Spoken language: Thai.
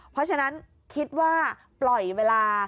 เพราะฉะนั้นคิดว่าปล่อยเวลา